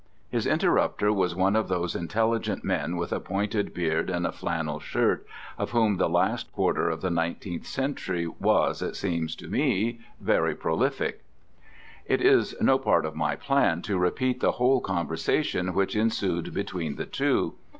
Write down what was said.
His interrupter was one of those intelligent men with a pointed beard and a flannel shirt, of whom the last quarter of the nineteenth century was, it seems to me, very prolific. It is no part of my plan to repeat the whole conversation which ensued between the two.